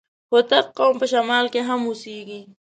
هوتک قوم په شمال کي هم اوسېږي.